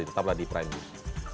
kita akan kembali di prime news